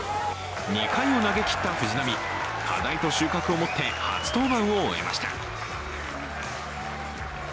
２回を投げきった藤浪、課題と収穫を持って、初登板を終えました。